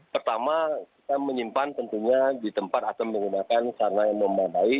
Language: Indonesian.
pertama kita menyimpan tentunya di tempat atau menggunakan sarana yang memadai